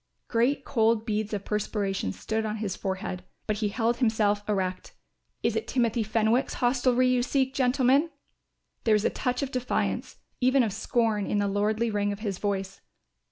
Great cold beads of perspiration stood on his forehead, but he held himself erect. "Is it Timothy Fenwick's hostelry you seek, gentlemen?" There was a touch of defiance, even of scorn, in the lordly ring of his voice.